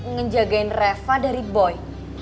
ngejagain reva dari boy